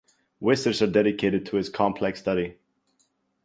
Wizards are dedicated to its complex study.